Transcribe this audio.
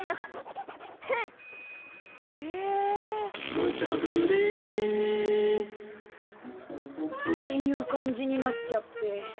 「むちゃぶり」っていう感じになっちゃって。